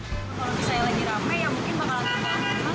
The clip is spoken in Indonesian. kalau saya lagi rame ya mungkin bakal terbang